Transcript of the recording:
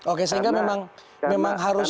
oke sehingga memang harus